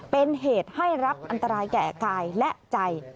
เป็นเหตุให้รับอันตรายแก่กายและใจ